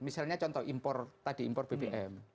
misalnya contoh impor tadi impor bbm